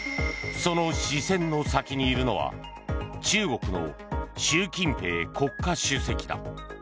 その視線の先にいるのは中国の習近平国家主席だ。